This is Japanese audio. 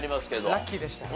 ラッキーでしたね。